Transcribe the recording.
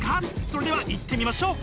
それではいってみましょう！